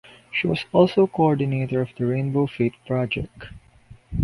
She was also coordinator of the Rainbow Faith project.